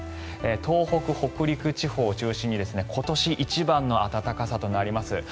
東北・北陸地方を中心に今年一番の暖かさとなります。